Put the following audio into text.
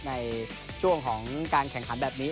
ในช่วงของการแข่งขันแบบนี้